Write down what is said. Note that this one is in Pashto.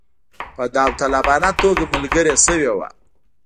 په داوطلبانه توګه ملګري شوي وه.